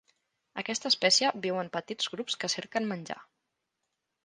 Aquesta espècie viu en petits grups que cerquen menjar.